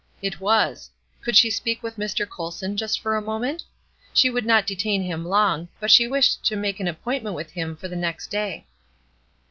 It was. Could she speak with Mr. Colson just for a moment? She would not detain him long; but she wished to make an appointment with him for the next day.